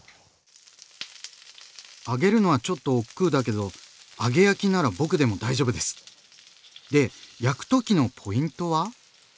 揚げるのはちょっとおっくうだけど揚げ焼きなら僕でも大丈夫です！で焼くときのポイントは？